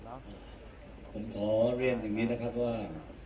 ครับสวัสดีครับผมขอเรียนอย่างนี้นะครับว่า